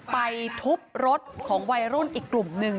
ไปทุบรถของวัยรุ่นอีกกลุ่มหนึ่ง